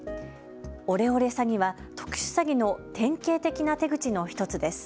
オレオレ詐欺は特殊詐欺の典型的な手口の１つです。